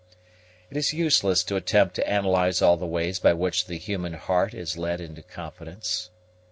It is useless to attempt to analyze all the ways by which the human heart is led into confidence.